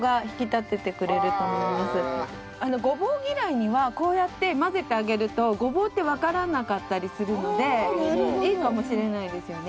ごぼう嫌いにはこうやって混ぜてあげるとごぼうってわからなかったりするのでいいかもしれないですよね。